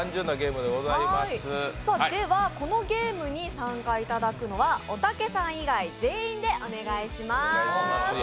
ではこのゲームに参加いただくのはおたけさん以外、全員でお願いします。